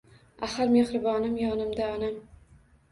Axir mehribonim yonimda onam